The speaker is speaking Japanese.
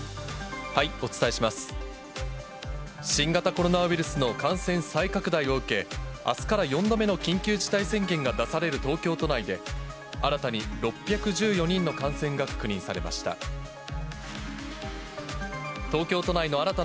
新型コロナウイルスの感染再拡大を受け、あすから４度目の緊急事態宣言が出される東京都内で、新たに６１４人の感染が確認されました。